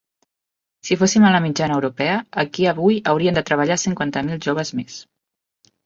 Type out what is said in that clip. Si fóssim a la mitjana europea, aquí avui haurien de treballar cinquanta mil joves més.